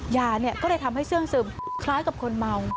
ยาก็เลยทำให้เสื่อมคล้ายกับคนเมา